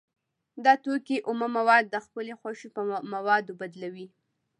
دا توکی اومه مواد د خپلې خوښې په موادو بدلوي